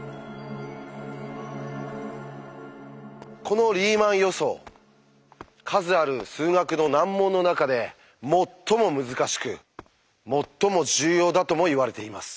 この「リーマン予想」数ある数学の難問の中で最も難しく最も重要だともいわれています。